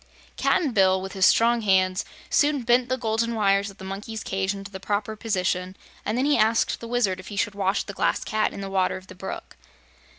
Cap'n Bill, with his strong hands, soon bent the golden wires of the monkeys' cage into the proper position and then he asked the Wizard if he should wash the Glass Cat in the water of the brook.